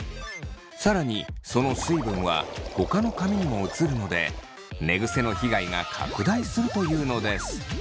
更にその水分はほかの髪にも移るので寝ぐせの被害が拡大するというのです。